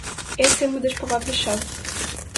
Essa é uma das palavras-chave